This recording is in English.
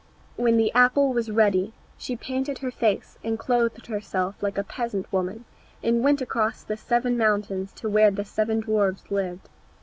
When the apple was ready she painted her face and clothed herself like a peasant woman, and went across the seven mountains to where the seven dwarfs lived.